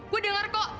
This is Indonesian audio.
saya dengar kok